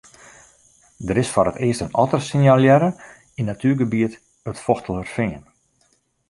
Der is foar it earst in otter sinjalearre yn natuergebiet it Fochtelerfean.